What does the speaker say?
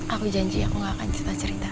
aku janji aku gak akan cerita cerita